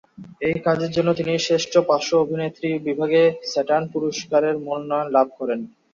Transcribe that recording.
এই কাজের জন্য তিনি শ্রেষ্ঠ পার্শ্ব অভিনেত্রী বিভাগে স্যাটার্ন পুরস্কারের মনোনয়ন লাভ করেন।